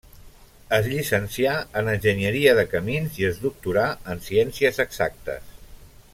Es llicencià en enginyeria de camins i es doctorà en ciències exactes.